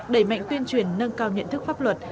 đẩy mạnh tuyên truyền nâng cao nhận thức pháp luật